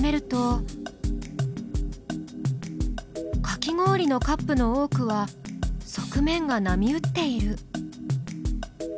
かき氷のカップの多くは側面が波打っている。